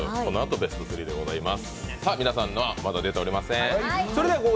皆さんのはまだ出ていません。